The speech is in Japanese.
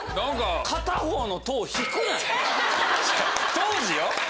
当時よ。